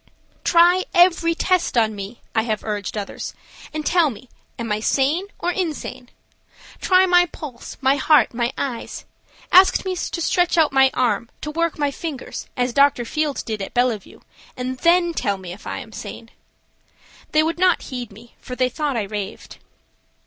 "Try every test on me," I have urged others, "and tell me am I sane or insane? Try my pulse, my heart, my eyes; ask me to stretch out my arm, to work my fingers, as Dr. Field did at Bellevue, and then tell me if I am sane." They would not heed me, for they thought I raved.